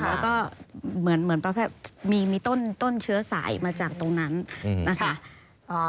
แล้วก็เหมือนเหมือนมีต้นเชื้อสายมาจากตรงนั้นนะคะ